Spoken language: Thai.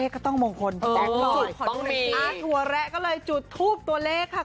ก็ต้องมงคลจุดขอดูหน่อยตัวแหละก็เลยจุดทูปตัวเลขค่ะ